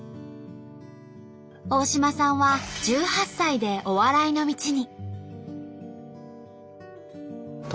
大島さんは１８歳でお笑いの道に。